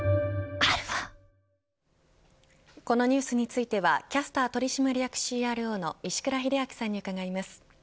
このニュースについてはキャスター取締役ＣＲＯの石倉秀明さんに伺います。